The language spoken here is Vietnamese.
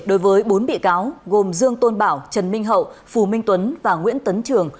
đối với bốn bị cáo gồm dương tôn bảo trần minh hậu phù minh tuấn và nguyễn tấn trường